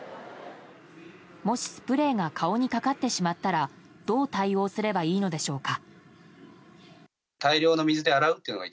もし、スプレーが顔にかかってしまったらどう対応すればいいのでしょうか。